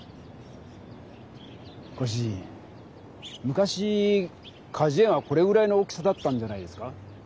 ご主人昔かじゅ園はこれぐらいの大きさだったんじゃないですか？